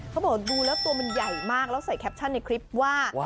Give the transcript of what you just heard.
เขาบอกดูแล้วตัวมันใหญ่มากแล้วใส่แคปชั่นในคลิปว่า